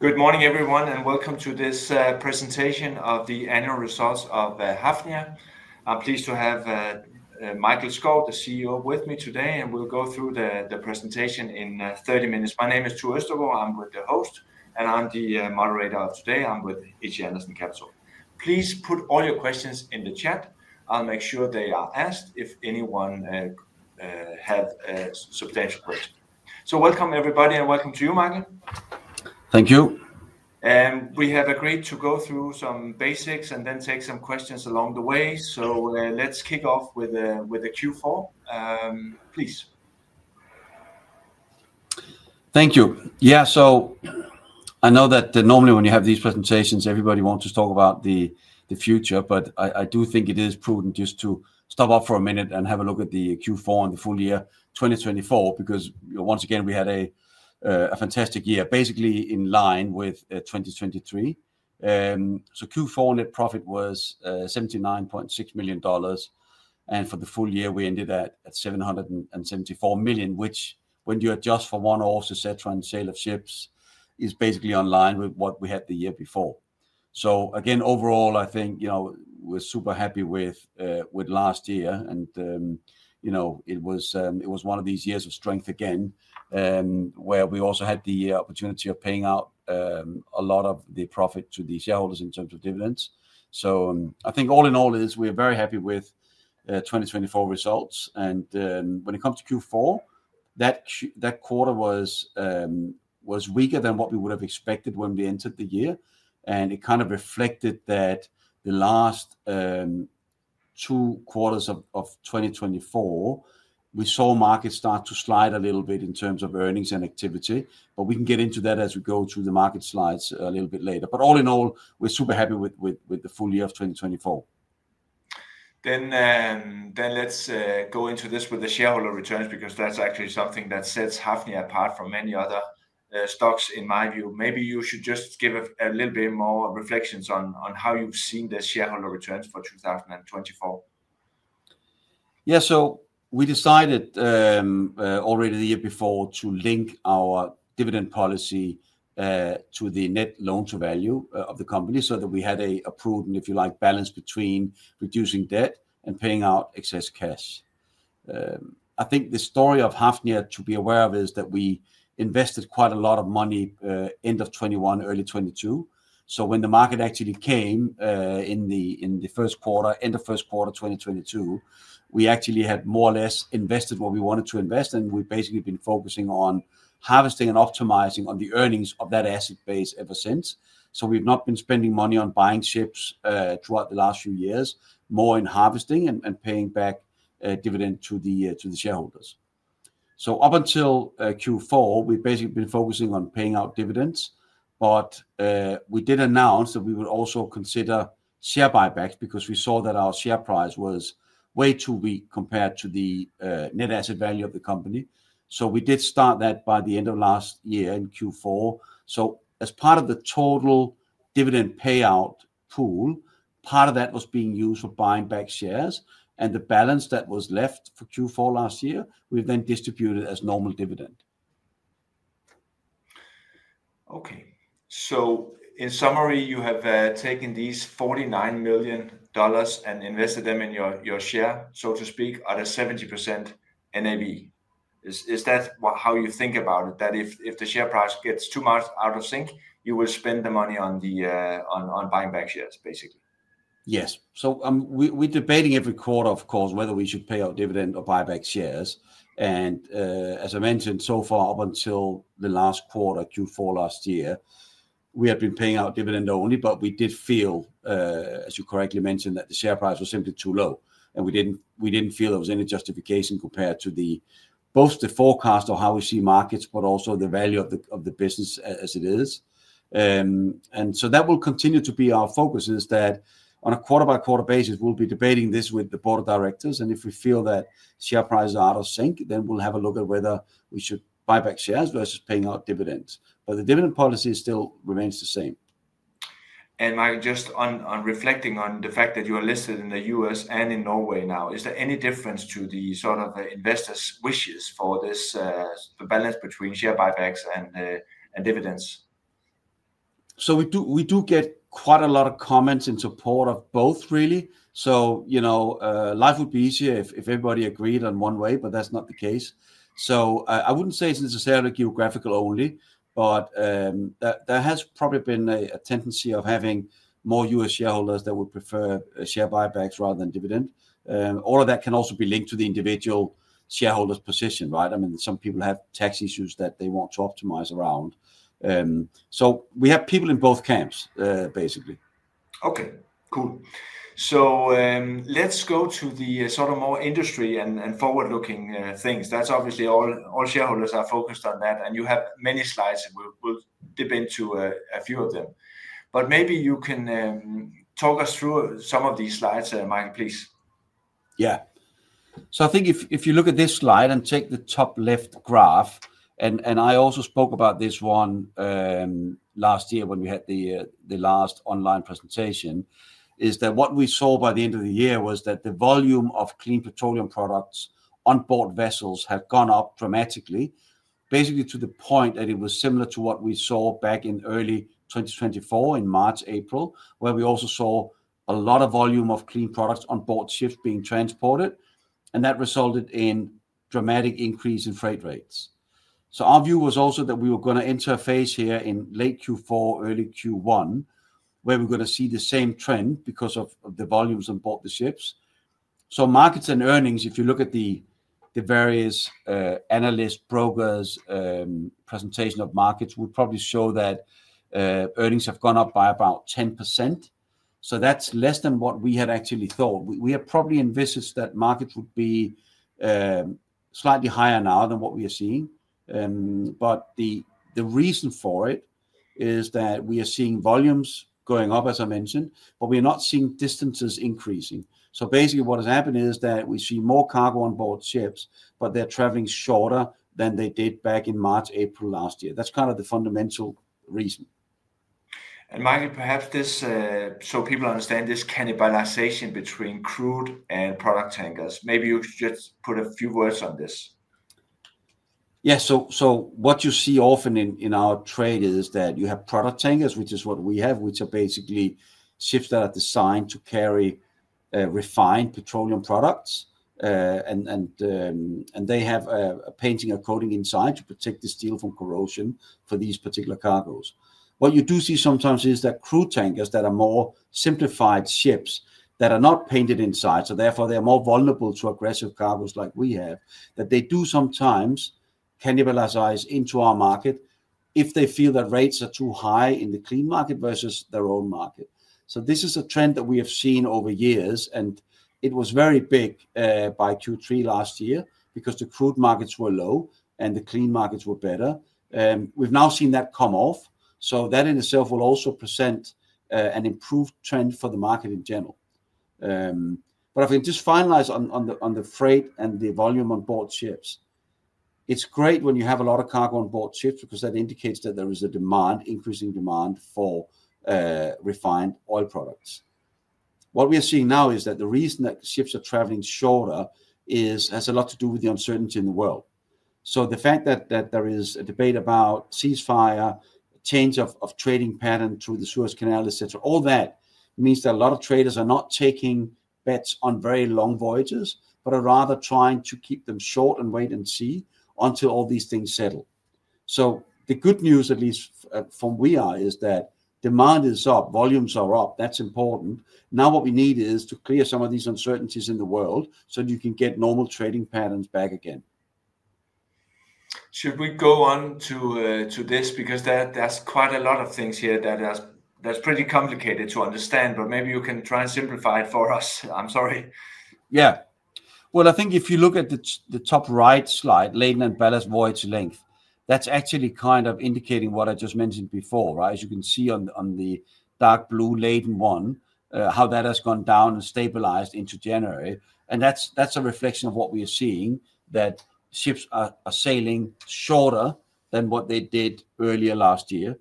Good morning, everyone, and welcome to this presentation of the annual results of Hafnia. I'm pleased to have Mikael Skov, the CEO, with me today, and we'll go through the presentation in 30 minutes. My name is Tue Østergaard, I'm with the host, and I'm the moderator of today. I'm with HC Andersen Capital. Please put all your questions in the chat. I'll make sure they are asked if anyone has substantial questions, so welcome, everybody, and welcome to you, Mikael. Thank you. We have agreed to go through some basics and then take some questions along the way. Let's kick off with a Q4. Please. Thank you. Yeah, so I know that normally when you have these presentations, everybody wants to talk about the future, but I do think it is prudent just to stop off for a minute and have a look at the Q4 and the full year 2024, because once again, we had a fantastic year, basically in line with 2023. So Q4 net profit was $79.6 million, and for the full year, we ended at $774 million, which when you adjust for one-offs and sale of ships, is basically in line with what we had the year before. So again, overall, I think we're super happy with last year, and it was one of these years of strength again, where we also had the opportunity of paying out a lot of the profit to the shareholders in terms of dividends. So I think all in all, we're very happy with 2024 results. When it comes to Q4, that quarter was weaker than what we would have expected when we entered the year, and it kind of reflected that the last two quarters of 2024, we saw markets start to slide a little bit in terms of earnings and activity, but we can get into that as we go through the market slides a little bit later. All in all, we're super happy with the full year of 2024. Then let's go into this with the shareholder returns, because that's actually something that sets Hafnia apart from many other stocks, in my view. Maybe you should just give a little bit more reflections on how you've seen the shareholder returns for 2024. Yeah, so we decided already the year before to link our dividend policy to the Net Loan-to-Value of the company so that we had a prudent, if you like, balance between reducing debt and paying out excess cash. I think the story of Hafnia, to be aware of, is that we invested quite a lot of money end of 2021, early 2022. So when the market actually came in the end of first quarter 2022, we actually had more or less invested what we wanted to invest, and we've basically been focusing on harvesting and optimizing on the earnings of that asset base ever since. So we've not been spending money on buying ships throughout the last few years, more in harvesting and paying back dividend to the shareholders. So up until Q4, we've basically been focusing on paying out dividends, but we did announce that we would also consider share buybacks because we saw that our share price was way too weak compared to the Net Asset Value of the company. So we did start that by the end of last year in Q4. So as part of the total dividend payout pool, part of that was being used for buying back shares, and the balance that was left for Q4 last year, we've then distributed as normal dividend. Okay, so in summary, you have taken these $49 million and invested them in your share, so to speak, out of 70% NAV. Is that how you think about it, that if the share price gets too much out of sync, you will spend the money on buying back shares, basically? Yes. So we're debating every quarter, of course, whether we should pay out dividend or buy back shares. And as I mentioned, so far, up until the last quarter, Q4 last year, we had been paying out dividend only, but we did feel, as you correctly mentioned, that the share price was simply too low, and we didn't feel there was any justification compared to both the forecast of how we see markets, but also the value of the business as it is. And so that will continue to be our focus, is that on a quarter-by-quarter basis, we'll be debating this with the board of directors, and if we feel that share prices are out of sync, then we'll have a look at whether we should buy back shares versus paying out dividends. But the dividend policy still remains the same. Mikael, just on reflecting on the fact that you are listed in the U.S. and in Norway now, is there any difference to the sort of investors' wishes for this balance between share buybacks and dividends? So we do get quite a lot of comments in support of both, really. So life would be easier if everybody agreed in one way, but that's not the case. So I wouldn't say it's necessarily geographical only, but there has probably been a tendency of having more U.S. shareholders that would prefer share buybacks rather than dividend. All of that can also be linked to the individual shareholder's position, right? I mean, some people have tax issues that they want to optimize around. So we have people in both camps, basically. Okay, cool. So let's go to the sort of more industry and forward-looking things. That's obviously all shareholders are focused on that, and you have many slides, and we'll dip into a few of them. But maybe you can talk us through some of these slides, Mikael, please. Yeah. So I think if you look at this slide and take the top left graph, and I also spoke about this one last year when we had the last online presentation, is that what we saw by the end of the year was that the volume of clean petroleum products onboard vessels had gone up dramatically, basically to the point that it was similar to what we saw back in early 2024 in March, April, where we also saw a lot of volume of clean products onboard ships being transported, and that resulted in a dramatic increase in freight rates. So our view was also that we were going to enter a phase here in late Q4, early Q1, where we're going to see the same trend because of the volumes onboard the ships. So markets and earnings, if you look at the various analysts, brokers, presentation of markets, would probably show that earnings have gone up by about 10%. So that's less than what we had actually thought. We had probably envisaged that markets would be slightly higher now than what we are seeing. But the reason for it is that we are seeing volumes going up, as I mentioned, but we are not seeing distances increasing. So basically what has happened is that we see more cargo onboard ships, but they're traveling shorter than they did back in March, April last year. That's kind of the fundamental reason. And Mikael, perhaps this, so people understand this cannibalization between crude and product tankers. Maybe you could just put a few words on this. Yeah, so what you see often in our trade is that you have product tankers, which is what we have, which are basically ships that are designed to carry refined petroleum products, and they have a painting or coating inside to protect the steel from corrosion for these particular cargoes. What you do see sometimes is that crude tankers that are more simplified ships that are not painted inside, so therefore they're more vulnerable to aggressive cargoes like we have, that they do sometimes cannibalize into our market if they feel that rates are too high in the clean market versus their own market. So this is a trend that we have seen over years, and it was very big by Q3 last year because the crude markets were low and the clean markets were better. We've now seen that come off. So that in itself will also present an improved trend for the market in general. But I think just finalize on the freight and the volume onboard ships. It's great when you have a lot of cargo onboard ships because that indicates that there is a demand, increasing demand for refined oil products. What we are seeing now is that the reason that ships are traveling shorter has a lot to do with the uncertainty in the world. So the fact that there is a debate about ceasefire, change of trading pattern through the Suez Canal, et cetera. All that means that a lot of traders are not taking bets on very long voyages, but are rather trying to keep them short and wait and see until all these things settle. So the good news, at least from where we are, is that demand is up, volumes are up. That's important. Now what we need is to clear some of these uncertainties in the world so that you can get normal trading patterns back again. Should we go on to this? Because there's quite a lot of things here that are pretty complicated to understand, but maybe you can try and simplify it for us. I'm sorry. Yeah. Well, I think if you look at the top right slide, laden and ballast voyage length, that's actually kind of indicating what I just mentioned before, right? As you can see on the dark blue laden one, how that has gone down and stabilized into January. And that's a reflection of what we are seeing, that ships are sailing shorter than what they did earlier last year.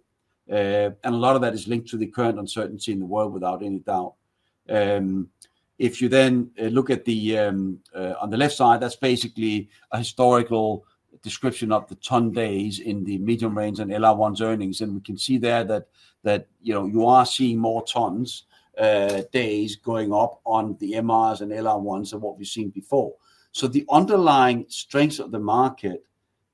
And a lot of that is linked to the current uncertainty in the world, without any doubt. If you then look at the left side, that's basically a historical description of the ton-days in the Medium Range and LR1s earnings. And we can see there that you are seeing more ton-days going up on the MRs and LR1s than what we've seen before. So the underlying strength of the market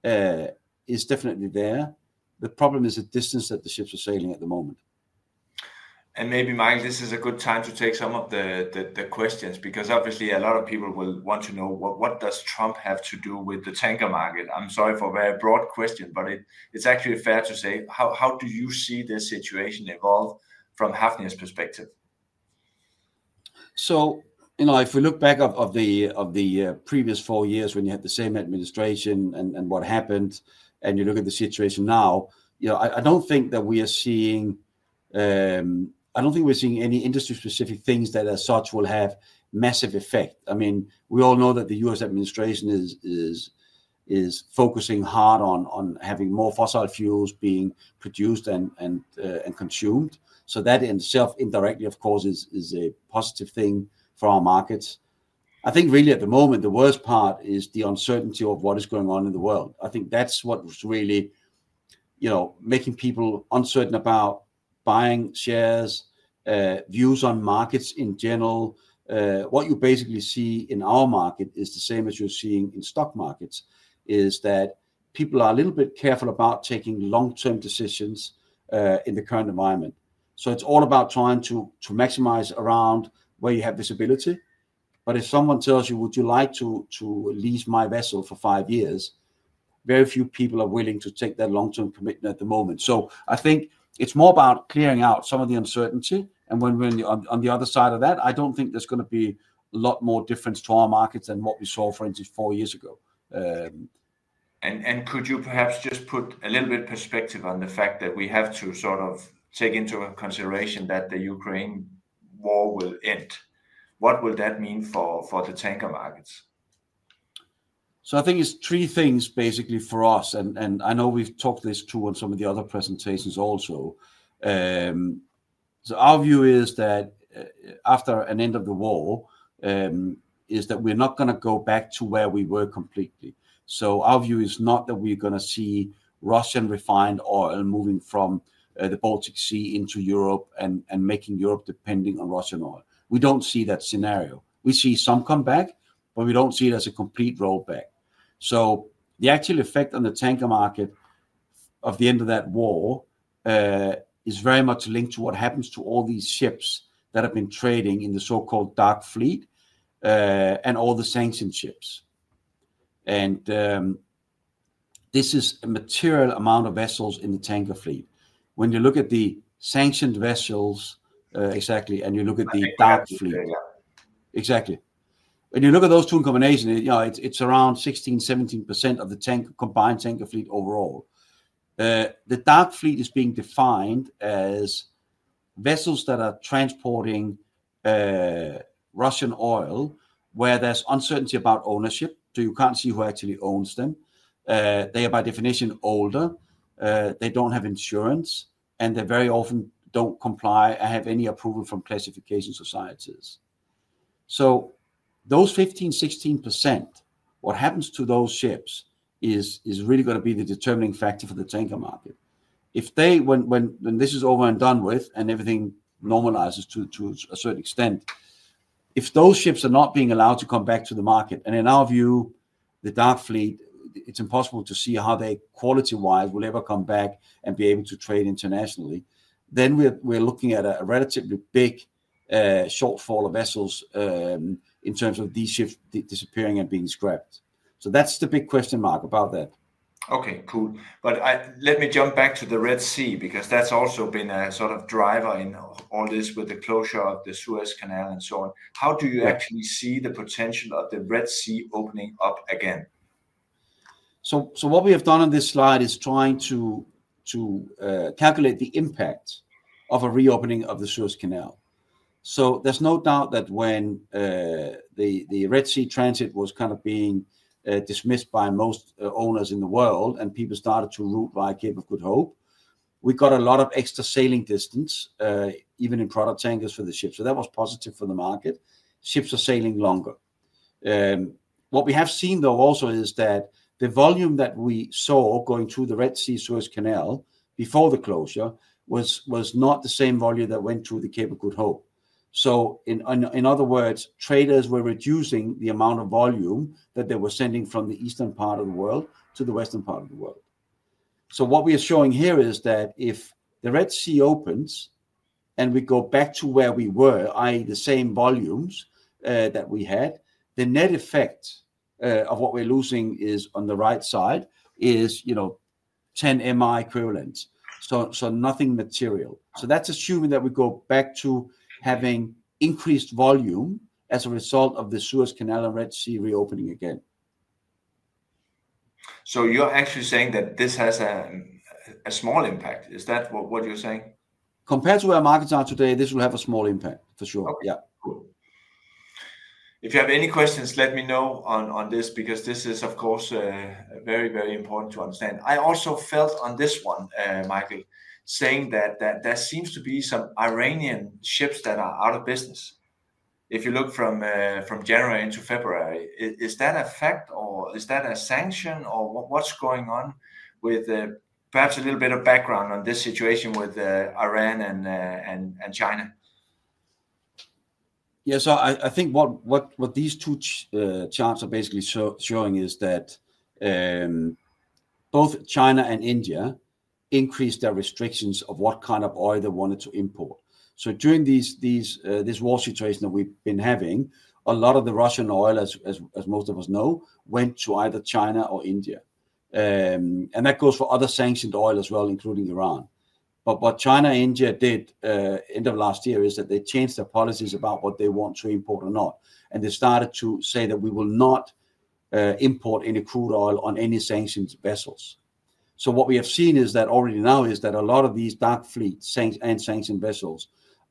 is definitely there. The problem is the distance that the ships are sailing at the moment. And maybe, Mikael, this is a good time to take some of the questions, because obviously a lot of people will want to know what does Trump have to do with the tanker market? I'm sorry for a very broad question, but it's actually fair to say, how do you see this situation evolve from Hafnia's perspective? So if we look back on the previous four years when you had the same administration and what happened, and you look at the situation now, I don't think we're seeing any industry-specific things that as such will have massive effect. I mean, we all know that the U.S. administration is focusing hard on having more fossil fuels being produced and consumed. So that in itself, indirectly, of course, is a positive thing for our markets. I think really at the moment, the worst part is the uncertainty of what is going on in the world. I think that's what was really making people uncertain about buying shares, views on markets in general. What you basically see in our market is the same as you're seeing in stock markets, is that people are a little bit careful about taking long-term decisions in the current environment. So it's all about trying to maximize around where you have visibility. But if someone tells you, "Would you like to lease my vessel for five years?" very few people are willing to take that long-term commitment at the moment. So I think it's more about clearing out some of the uncertainty. And when we're on the other side of that, I don't think there's going to be a lot more difference to our markets than what we saw, for instance, four years ago. Could you perhaps just put a little bit of perspective on the fact that we have to sort of take into consideration that the Ukraine war will end? What will that mean for the tanker markets? I think it's three things basically for us. I know we've talked this too on some of the other presentations also. Our view is that after an end of the war, is that we're not going to go back to where we were completely. Our view is not that we're going to see Russian refined oil moving from the Baltic Sea into Europe and making Europe dependent on Russian oil. We don't see that scenario. We see some come back, but we don't see it as a complete rollback. The actual effect on the tanker market of the end of that war is very much linked to what happens to all these ships that have been trading in the so-called dark fleet and all the sanctioned ships. This is a material amount of vessels in the tanker fleet. When you look at the sanctioned vessels exactly, and you look at the dark fleet. The tanker fleet. Exactly. When you look at those two in combination, it's around 16%-17% of the combined tanker fleet overall. The dark fleet is being defined as vessels that are transporting Russian oil where there's uncertainty about ownership. So you can't see who actually owns them. They are by definition older. They don't have insurance, and they very often don't comply or have any approval from classification societies. So those 15%-16%, what happens to those ships is really going to be the determining factor for the tanker market. If they, when this is over and done with and everything normalizes to a certain extent, if those ships are not being allowed to come back to the market, and in our view, the dark fleet, it's impossible to see how they quality-wise will ever come back and be able to trade internationally, then we're looking at a relatively big shortfall of vessels in terms of these ships disappearing and being scrapped. So that's the big question mark about that. Okay, cool. But let me jump back to the Red Sea because that's also been a sort of driver in all this with the closure of the Suez Canal and so on. How do you actually see the potential of the Red Sea opening up again? What we have done on this slide is trying to calculate the impact of a reopening of the Suez Canal. There's no doubt that when the Red Sea transit was kind of being dismissed by most owners in the world and people started to route via Cape of Good Hope, we got a lot of extra sailing distance, even in product tankers for the ships. That was positive for the market. Ships are sailing longer. What we have seen, though, also is that the volume that we saw going through the Red Sea-Suez Canal before the closure was not the same volume that went through the Cape of Good Hope. In other words, traders were reducing the amount of volume that they were sending from the eastern part of the world to the western part of the world. What we are showing here is that if the Red Sea opens and we go back to where we were, i.e., the same volumes that we had, the net effect of what we're losing on the right side is 10 MR equivalent. Nothing material. That's assuming that we go back to having increased volume as a result of the Suez Canal and Red Sea reopening again. So you're actually saying that this has a small impact? Is that what you're saying? Compared to where markets are today, this will have a small impact for sure. Yeah. If you have any questions, let me know on this because this is, of course, very, very important to understand. I also felt on this one, Mikael, saying that there seems to be some Iranian ships that are out of business if you look from January into February. Is that a fact or is that a sanction or what's going on with perhaps a little bit of background on this situation with Iran and China? Yeah, so I think what these two charts are basically showing is that both China and India increased their restrictions of what kind of oil they wanted to import. So during this war situation that we've been having, a lot of the Russian oil, as most of us know, went to either China or India. And that goes for other sanctioned oil as well, including Iran. But what China and India did end of last year is that they changed their policies about what they want to import or not. And they started to say that we will not import any crude oil on any sanctioned vessels. What we have seen is that already now is that a lot of these dark fleet and sanctioned vessels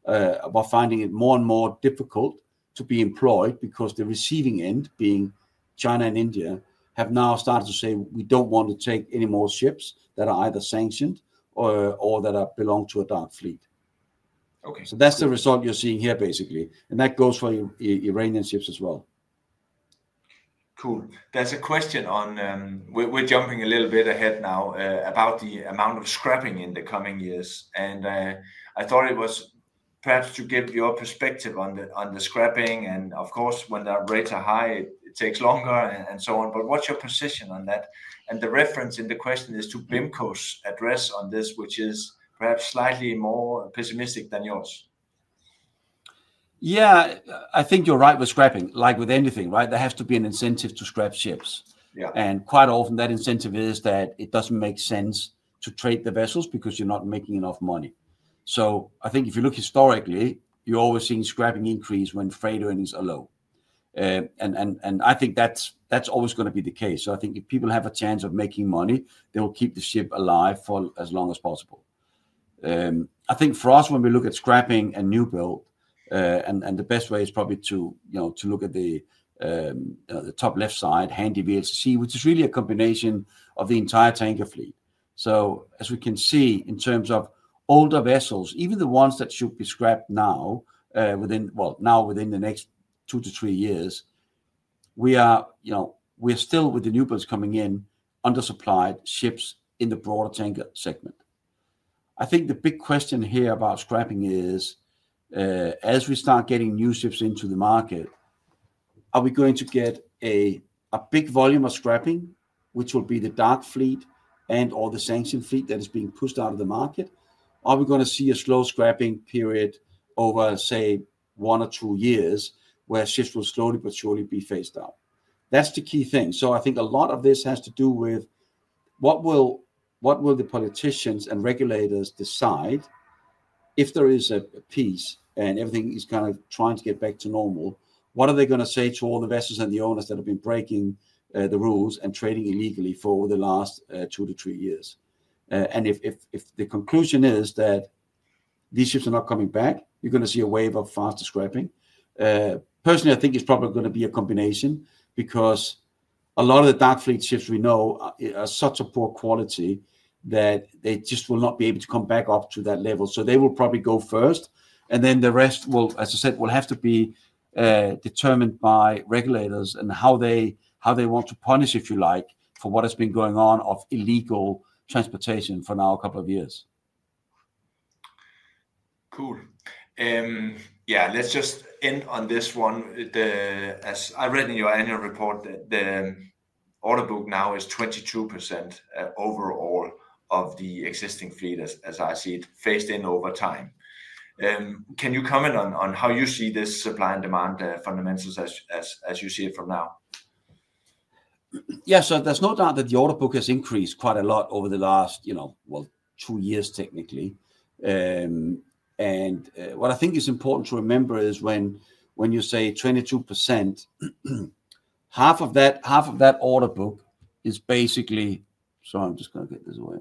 are finding it more and more difficult to be employed because the receiving end, being China and India, have now started to say, "We don't want to take any more ships that are either sanctioned or that belong to a dark fleet." That's the result you're seeing here basically. That goes for Iranian ships as well. Cool. There's a question on, we're jumping a little bit ahead now about the amount of scrapping in the coming years. And I thought it was perhaps to give your perspective on the scrapping. And of course, when the rates are high, it takes longer and so on. But what's your position on that? And the reference in the question is to BIMCO's address on this, which is perhaps slightly more pessimistic than yours. Yeah, I think you're right with scrapping. Like with anything, right? There has to be an incentive to scrap ships. And quite often that incentive is that it doesn't make sense to trade the vessels because you're not making enough money. So I think if you look historically, you're always seeing scrapping increase when freight earnings are low. And I think that's always going to be the case. So I think if people have a chance of making money, they will keep the ship alive for as long as possible. I think for us, when we look at scrapping and new build, and the best way is probably to look at the top left side, Handy, VLCC, which is really a combination of the entire tanker fleet. So as we can see in terms of older vessels, even the ones that should be scrapped now, well, now within the next two to three years, we are still with the new builds coming in undersupplied ships in the broader tanker segment. I think the big question here about scrapping is, as we start getting new ships into the market, are we going to get a big volume of scrapping, which will be the dark fleet and all the sanctioned fleet that is being pushed out of the market? Are we going to see a slow scrapping period over, say, one or two years where ships will slowly but surely be phased out? That's the key thing. So I think a lot of this has to do with what will the politicians and regulators decide if there is a peace and everything is kind of trying to get back to normal? What are they going to say to all the vessels and the owners that have been breaking the rules and trading illegally for the last two to three years? And if the conclusion is that these ships are not coming back, you're going to see a wave of faster scrapping. Personally, I think it's probably going to be a combination because a lot of the dark fleet ships we know are such a poor quality that they just will not be able to come back up to that level. So they will probably go first. Then the rest will, as I said, will have to be determined by regulators and how they want to punish, if you like, for what has been going on of illegal transportation for now a couple of years. Cool. Yeah, let's just end on this one. I read in your annual report that the order book now is 22% overall of the existing fleet, as I see it, phased in over time. Can you comment on how you see this supply and demand fundamentals as you see it from now? Yeah, so there's no doubt that the order book has increased quite a lot over the last, well, two years technically. And what I think is important to remember is when you say 22%, half of that order book is basically, sorry, I'm just going to get this away.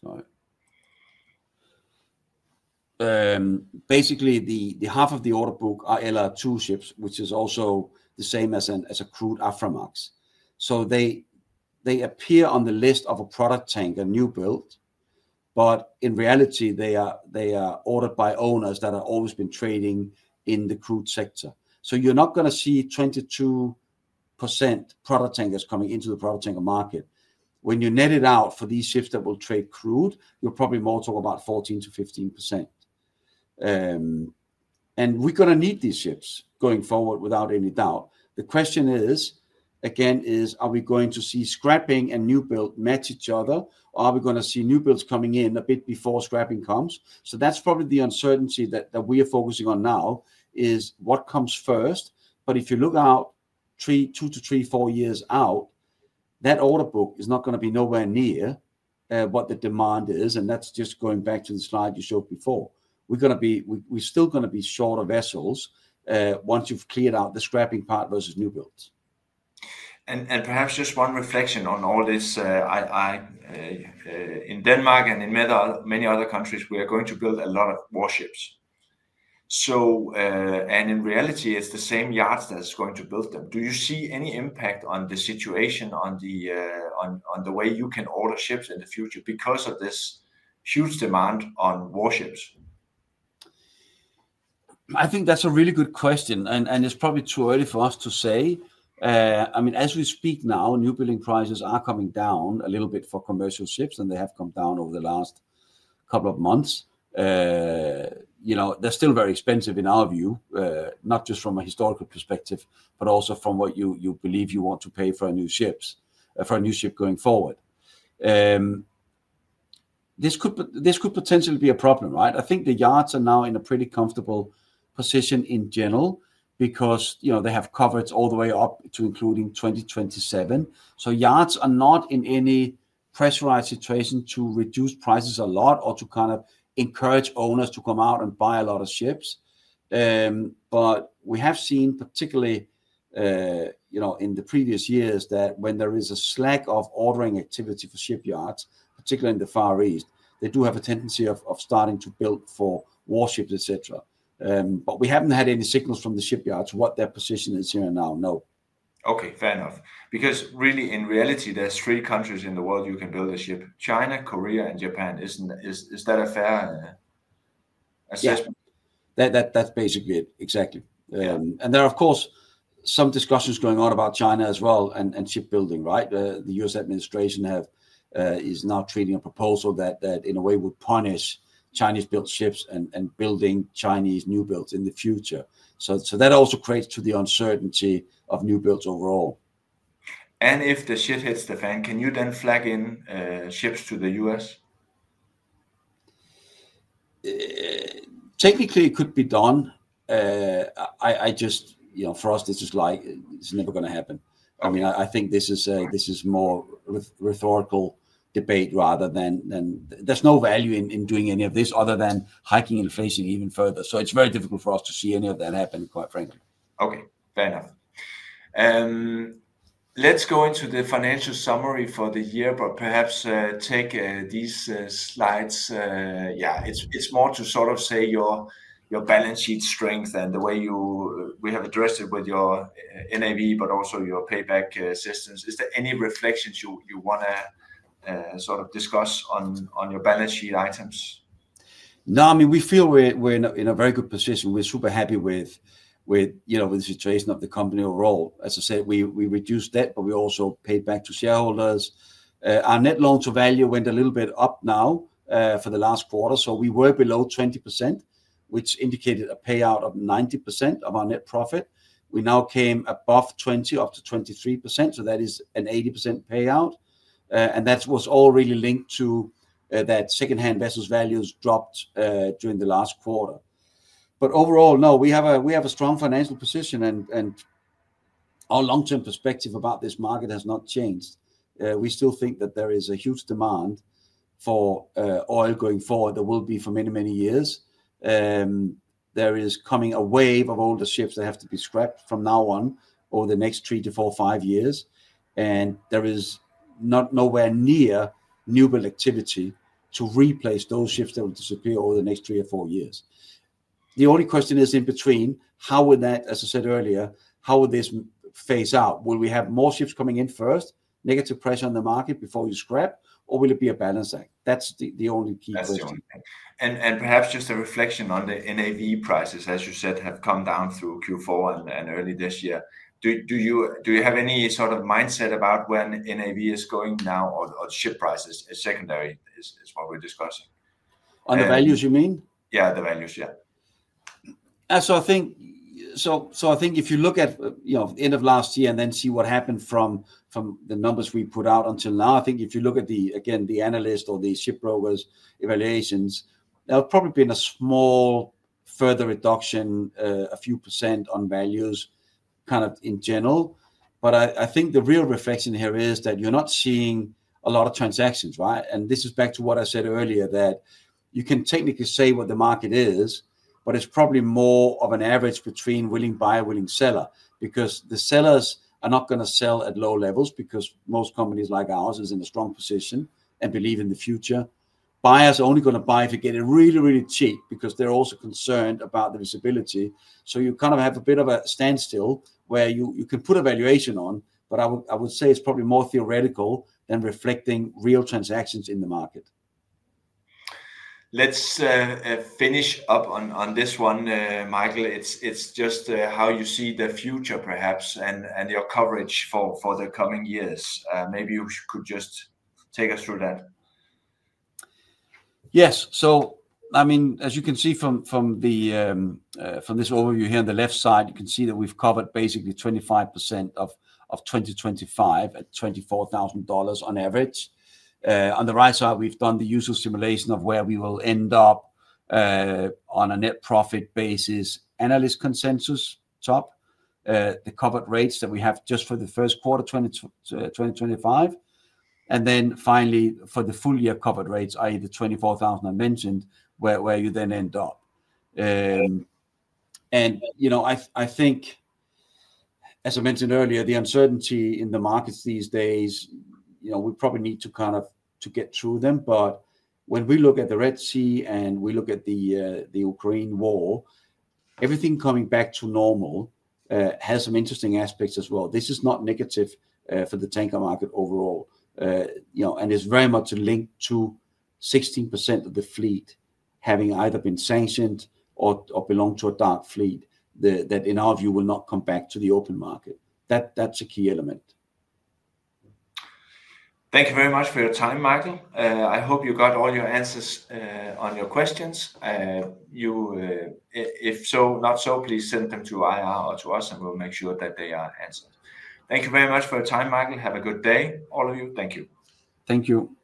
Sorry. Basically, half of the order book are LR2 ships, which is also the same as a crude Aframax. So they appear on the list of a product tanker, new build, but in reality, they are ordered by owners that have always been trading in the crude sector. So you're not going to see 22% product tankers coming into the product tanker market. When you net it out for these ships that will trade crude, you're probably more talking about 14%-15%. And we're going to need these ships going forward without any doubt. The question is, again, are we going to see scrapping and new build match each other, or are we going to see new builds coming in a bit before scrapping comes? So that's probably the uncertainty that we are focusing on now is what comes first. But if you look out two to three, four years out, that order book is not going to be nowhere near what the demand is. And that's just going back to the slide you showed before. We're going to be, we're still going to be shorter vessels once you've cleared out the scrapping part versus new builds. Perhaps just one reflection on all this. In Denmark and in many other countries, we are going to build a lot of warships. In reality, it's the same yards that's going to build them. Do you see any impact on the situation, on the way you can order ships in the future because of this huge demand on warships? I think that's a really good question, and it's probably too early for us to say. I mean, as we speak now, new building prices are coming down a little bit for commercial ships, and they have come down over the last couple of months. They're still very expensive in our view, not just from a historical perspective, but also from what you believe you want to pay for a new ship, for a new ship going forward. This could potentially be a problem, right? I think the yards are now in a pretty comfortable position in general because they have coverage all the way up to including 2027, so yards are not in any pressurized situation to reduce prices a lot or to kind of encourage owners to come out and buy a lot of ships. But we have seen, particularly in the previous years, that when there is a slack of ordering activity for shipyards, particularly in the Far East, they do have a tendency of starting to build for warships, etc. But we haven't had any signals from the shipyards what their position is here and now. No. Okay, fair enough. Because really, in reality, there's three countries in the world you can build a ship: China, Korea, and Japan. Is that a fair assessment? Yes, that's basically it. Exactly, and there are, of course, some discussions going on about China as well and shipbuilding, right? The U.S. administration is now treating a proposal that in a way would punish Chinese-built ships and building Chinese new builds in the future, so that also creates the uncertainty of new builds overall. And if the ship hits the fan, can you then flag in ships to the U.S.? Technically, it could be done. For us, this is like, it's never going to happen. I mean, I think this is more rhetorical debate rather than there's no value in doing any of this other than hiking inflation even further. So it's very difficult for us to see any of that happen, quite frankly. Okay, fair enough. Let's go into the financial summary for the year, but perhaps take these slides. Yeah, it's more to sort of say your balance sheet strength and the way we have addressed it with your NAV, but also your buyback systems. Is there any reflections you want to sort of discuss on your balance sheet items? No, I mean, we feel we're in a very good position. We're super happy with the situation of the company overall. As I said, we reduced debt, but we also paid back to shareholders. Our Net Loan-to-Value went a little bit up now for the last quarter. So we were below 20%, which indicated a payout of 90% of our net profit. We now came above 20%, up to 23%. So that is an 80% payout. And that was all really linked to that second-hand vessels values dropped during the last quarter. But overall, no, we have a strong financial position and our long-term perspective about this market has not changed. We still think that there is a huge demand for oil going forward that will be for many, many years. There is coming a wave of older ships that have to be scrapped from now on over the next three to four, five years, and there is nowhere near new build activity to replace those ships that will disappear over the next three or four years. The only question is in between, how would that, as I said earlier, how would this phase out? Will we have more ships coming in first, negative pressure on the market before you scrap, or will it be a balance act? That's the only key question. That's the only thing, and perhaps just a reflection on the NAV prices, as you said, have come down through Q4 and early this year. Do you have any sort of mindset about where NAV is going now, or ship prices? Is secondary what we're discussing? On the values, you mean? Yeah, the values, yeah. So I think if you look at the end of last year and then see what happened from the numbers we put out until now. I think if you look at the, again, the analyst or the ship brokers' evaluations, there'll probably be a small further reduction, a few % on values kind of in general. But I think the real reflection here is that you're not seeing a lot of transactions, right? And this is back to what I said earlier that you can technically say what the market is, but it's probably more of an average between willing buyer, willing seller, because the sellers are not going to sell at low levels because most companies like ours are in a strong position and believe in the future. Buyers are only going to buy if you get it really, really cheap because they're also concerned about the visibility. You kind of have a bit of a standstill where you can put a valuation on, but I would say it's probably more theoretical than reflecting real transactions in the market. Let's finish up on this one, Mikael. It's just how you see the future, perhaps, and your coverage for the coming years. Maybe you could just take us through that. Yes. So I mean, as you can see from this overview here on the left side, you can see that we've covered basically 25% of 2025 at $24,000 on average. On the right side, we've done the usual simulation of where we will end up on a net profit basis analyst consensus top, the covered rates that we have just for the first quarter 2025, and then finally for the full year covered rates, i.e., the 24,000 I mentioned where you then end up. And I think, as I mentioned earlier, the uncertainty in the markets these days, we probably need to kind of get through them. But when we look at the Red Sea and we look at the Ukraine war, everything coming back to normal has some interesting aspects as well. This is not negative for the tanker market overall. It's very much linked to 16% of the fleet having either been sanctioned or belong to a dark fleet that in our view will not come back to the open market. That's a key element. Thank you very much for your time, Mikael. I hope you got all your answers on your questions. If so, not so, please send them to IR or to us and we'll make sure that they are answered. Thank you very much for your time, Mikael. Have a good day, all of you. Thank you. Thank you.